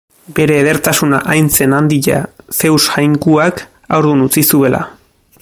Bere edertasuna hain zen handia, Zeus jainkoak haurdun utzi zuela.